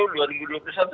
dan dpr dki menurut saya itu